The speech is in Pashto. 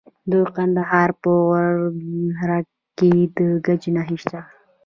د کندهار په غورک کې د ګچ نښې شته.